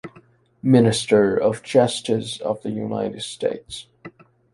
Minister of Justice of the United States.